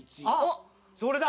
それだ！